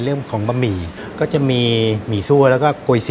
ทุกคนจะมาเจอกัน